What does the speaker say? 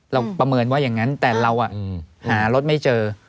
ประเมินว่าอย่างนั้นแต่เราหารถไม่เจอ